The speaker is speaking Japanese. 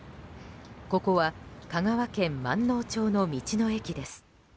ここは香川県まんのう町の道の駅です。